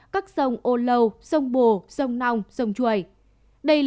các sông ô lâu sông bồ sông nong sông chuồi